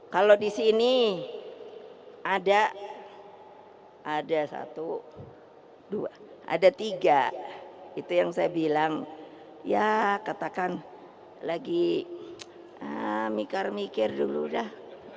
kalau di sini ada ada satu dua ada tiga itu yang saya bilang ya katakan lagi mikir mikir dulu dah